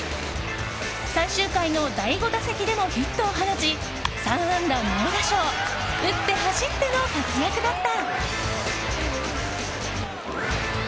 最終回の第５打席でもヒットを放ち３安打、猛打賞打って走っての活躍だった。